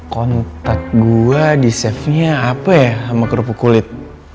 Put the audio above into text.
kontak gua di save nya apa ya sama kerupuk kulit